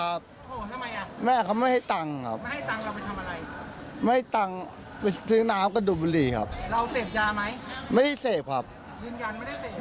อาการทางจิตเราโอเคไหม